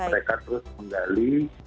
mereka terus menggali